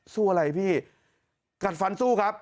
สู้อะไรพี่กัดฟันสู้ครับ